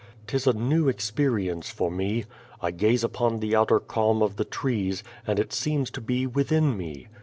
^Tis a new experience for me. I gaze upon the outer calm of the trees, and it seems to be within me.